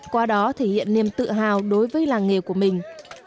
qua đó thể hiện niềm tự hào đối với làng nghề của mình